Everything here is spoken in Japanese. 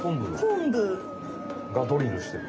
コンブ。がドリルしてる。